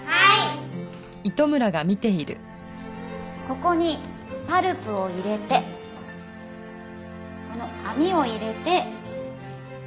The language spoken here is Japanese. ここにパルプを入れてこの網を入れて水切りをします。